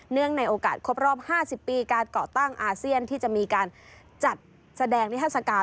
ในโอกาสครบรอบ๕๐ปีการเกาะตั้งอาเซียนที่จะมีการจัดแสดงนิทัศกาล